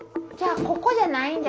じゃあここじゃない。